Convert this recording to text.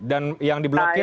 dan yang diblokir